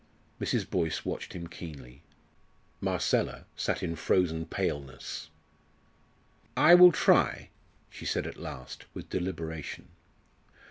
Mrs. Boyce watched him keenly. Marcella sat in frozen paleness. "I will try," she said at last, with deliberation.